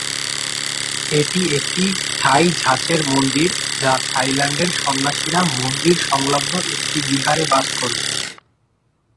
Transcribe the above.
এটি একটি থাই ধাঁচের মন্দির যা থাইল্যান্ডের সন্ন্যাসীরা মন্দির সংলগ্ন একটি বিহারে বাস করবে।